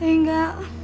tidak ada apa apa